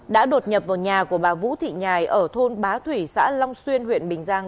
đã đột nhập vào nhà của bà vũ thị nhài ở thôn bá thủy xã long xuyên huyện bình giang